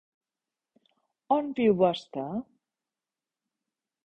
On viu vostè?